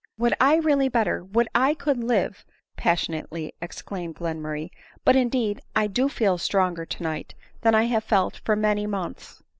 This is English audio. " Would 1 were really better ! would I could live !" passionately exclaimed Glenmurray ;" but indeed I do feel stronger to night than I have felt for many months."